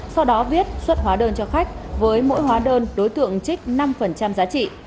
sau đó viết xuất hóa đơn cho khách với mỗi hóa đơn đối tượng trích năm giá trị